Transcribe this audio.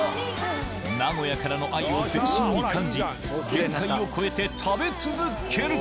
名古屋からの愛を全身に感じ限界を超えて食べ続ける３９！